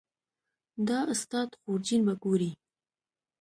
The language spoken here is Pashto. د استاد خورجین به ګورې